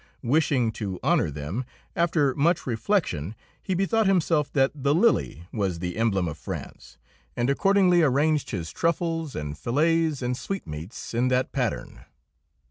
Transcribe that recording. Wishing to honour them, after much reflection he bethought himself that the lily was the emblem of France, and accordingly arranged his truffles and fillets and sweetmeats in that pattern.